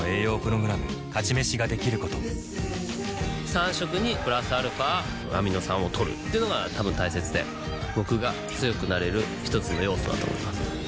「勝ち飯」ができること３食にプラスアルファアミノ酸をとるっていうのがたぶん大切で僕が強くなれる一つの要素だと思います